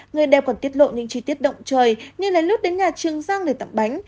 người đeo còn tiết lộ những chi tiết động trời như lén lút đến nhà trường giang để tặng bánh